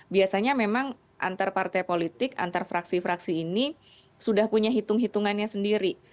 biasanya memang antar partai politik antar fraksi fraksi ini sudah punya hitung hitungannya sendiri